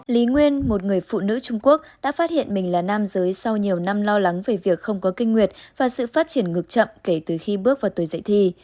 lý nguyên một người phụ nữ trung quốc đã phát hiện mình là nam giới sau nhiều năm lo lắng về việc không có kinh nguyệt và sự phát triển ngược chậm kể từ khi bước vào tuổi dậy thi